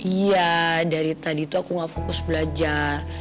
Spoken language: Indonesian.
iya dari tadi tuh aku gak fokus belajar